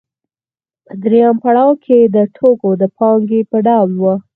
په درېیم پړاو کې د توکو د پانګې په ډول وه